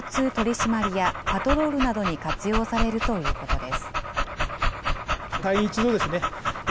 ２台は、交通取締りやパトロールなどに活用されるということです。